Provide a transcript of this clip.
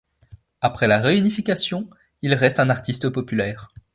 Après la réunification, il reste un artiste populaire.